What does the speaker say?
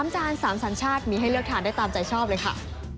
จาน๓สัญชาติมีให้เลือกทานได้ตามใจชอบเลยค่ะ